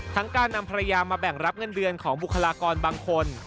การนำภรรยามาแบ่งรับเงินเดือนของบุคลากรบางคน